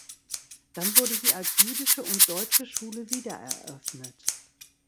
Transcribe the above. Dann wurde sie als „jüdische und deutsche“ Schule wiedereröffnet.